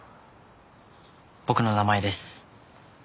僕の名前です。